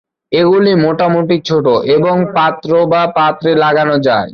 এগুলি মোটামুটি ছোট এবং পাত্র বা পাত্রে লাগানো যায়।